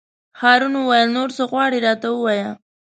هارون وویل: نور څه غواړې راته ووایه.